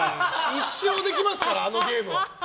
一生できますからあのゲームは。